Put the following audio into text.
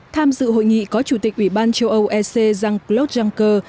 tham dự hội nghị có chủ tịch ủy ban châu âu ec jean claude juncker